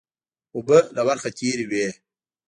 اوبه له ورخه تېرې وې